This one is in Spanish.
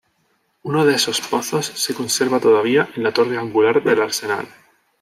Uno de esos pozos se conserva todavía en la torre Angular del Arsenal.